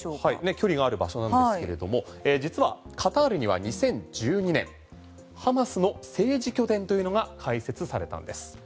距離がある場所なんですけれども実はカタールには２０１２年ハマスの政治拠点というのが開設されたんです。